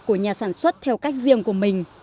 của nhà sản xuất theo cách riêng của mình